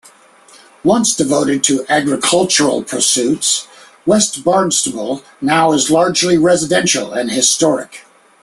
Once devoted to agricultural pursuits, West Barnstable now is largely residential and historic.